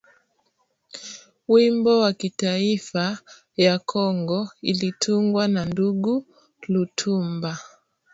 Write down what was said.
Wimbo wa kitaifa ya kongo ilitungwa na ndugu Lutumba